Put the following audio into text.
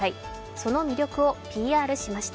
その魅力をＰＲしました。